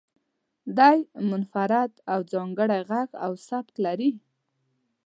دی منفرد او ځانګړی غږ او سبک لري.